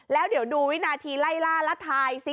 แล้วเดี๋ยวดูวินาทีไล่ล่าแล้วทายซิ